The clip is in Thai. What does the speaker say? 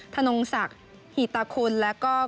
ธนงศักดิ์หีตาคุณแล้วก็